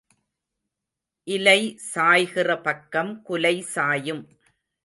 இலை சாய்கிற பக்கம் குலை சாயும்.